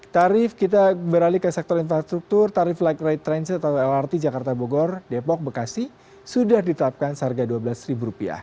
tarif light rail transit atau lrt jakarta bogor depok bekasi sudah ditetapkan harga rp dua belas